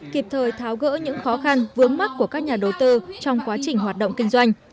kịp thời tháo gỡ những khó khăn vướng mắt của các nhà đầu tư trong quá trình hoạt động kinh doanh